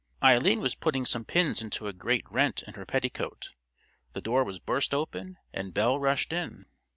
Eileen was putting some pins into a great rent in her petticoat. The door was burst open, and Belle rushed in.